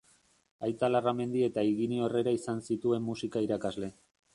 Aita Larramendi eta Higinio Herrera izan zituen musika irakasle.